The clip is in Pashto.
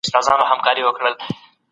د رسا صاحب شعر ډیر ښکلی دی.